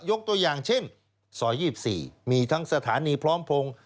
ยกตัวอย่างเช่นซอย๒๔มีทั้งสถานีพร้อมพงศ์